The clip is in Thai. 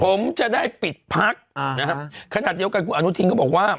ผมจะได้ปิดพักนะครับขนาดเดียวกันคุณอนุทินก็บอกว่า